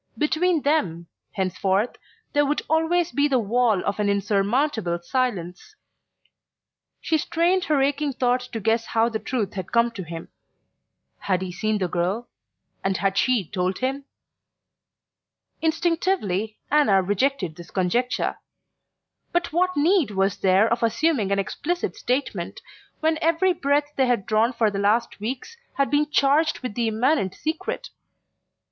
Between them, henceforth, there would always be the wall of an insurmountable silence...She strained her aching thoughts to guess how the truth had come to him. Had he seen the girl, and had she told him? Instinctively, Anna rejected this conjecture. But what need was there of assuming an explicit statement, when every breath they had drawn for the last weeks had been charged with the immanent secret?